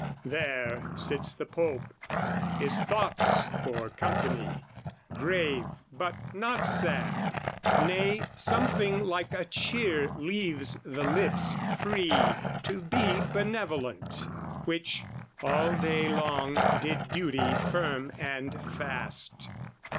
There sits the Pope, his thoughts for company; Grave but not sad, nay, something like a cheer Leaves the lips free to be benevolent, Which, all day long, did duty firm and fast.